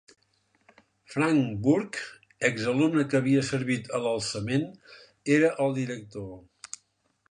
Frank Burke, exalumne que havia servit a l'alçament, era el director.